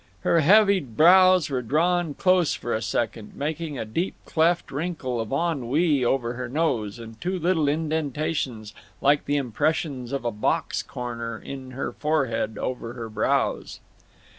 Her heavy brows were drawn close for a second, making a deep cleft wrinkle of ennui over her nose, and two little indentations, like the impressions of a box corner, in her forehead over her brows.